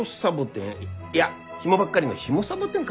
いやひもばっかりのヒモサボテンかね。